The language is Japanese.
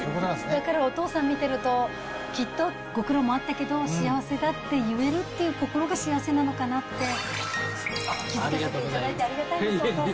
だからお父さん見てると、きっとご苦労もあったけど、幸せだって言えるっていう心が幸せなのかなって気付かせていただこちらこそ。